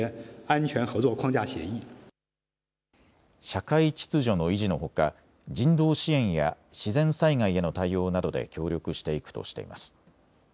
社会秩序の維持のほか人道支援や自然災害への対応などで協力していくとしています。